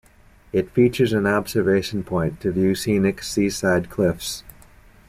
It features an observation point to view scenic seaside cliffs.